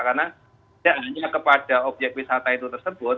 karena tidak hanya kepada obyek wisata itu tersebut